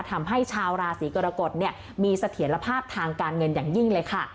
ทำให้ชาวราศีกรกฎเนี่ยมีเสถียรภาพทางการเงินอย่างยิ่งเลยค่ะ